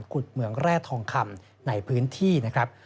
ขุดเหมืองแร่ทองคำในพื้นที่นะครับ